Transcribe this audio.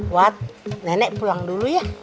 kuat nenek pulang dulu ya